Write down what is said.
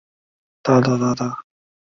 没有太多阿根廷龙的化石被发现。